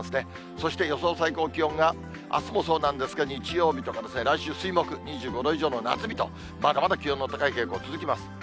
そして予想最高気温が、あすもそうなんですが、日曜日とか来週水木、２５度以上の夏日と、まだまだ気温の高い傾向続きます。